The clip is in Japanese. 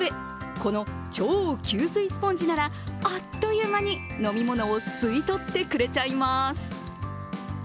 この超吸水スポンジならあっという間に飲み物を吸い取ってくれちゃいます。